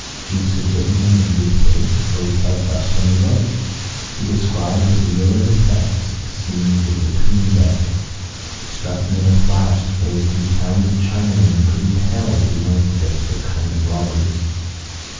Jukes had written them in good faith, for he felt thus when he wrote. He described with lurid effect the scenes in the 'tween deck. "... It struck me in a flash that those confounded Chinamen couldn't tell we weren't a desperate kind of robbers.